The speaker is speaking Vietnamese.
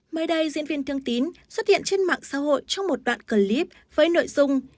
mới đây diễn viên thương tín xuất hiện trên mạng xã hội trong một đoạn clip với nội dung